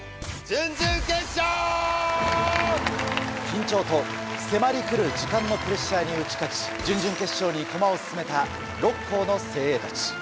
緊張と迫り来る時間のプレッシャーに打ち勝ち準々決勝に駒を進めた６校の精鋭たち。